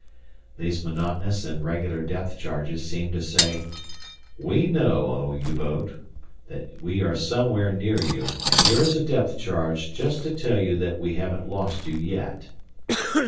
These monotonous and regular depth charges seemed to say: "We know, Oh! U boat, that we are somewhere near you, and here is a depth charge just to tell you that we haven't lost you yet."